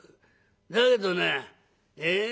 だけどなええ？